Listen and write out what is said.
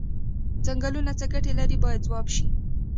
څنګلونه څه ګټې لري باید ځواب شي.